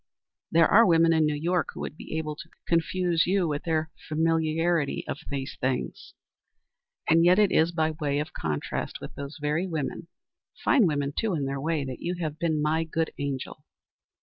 There are women in New York who would be able to confuse you with their familiarity with these things. And yet it is by way of contrast with those very women fine women, too, in their way that you have been my good angel.